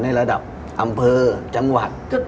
ในระดับอำเภอจังหวัด